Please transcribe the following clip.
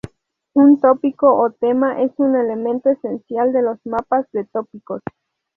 Un tópico o tema es un elemento esencial de los mapas de tópicos.